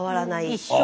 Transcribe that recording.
一緒。